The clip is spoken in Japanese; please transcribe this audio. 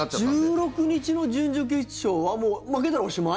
１６日の準々決勝はもう負けたらおしまい？